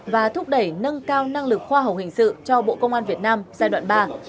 và thúc đẩy nâng cao năng lực khoa học hình sự cho bộ công an việt nam giai đoạn ba